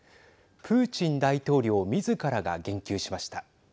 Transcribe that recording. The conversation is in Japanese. プーチン大統領みずからが言及しました。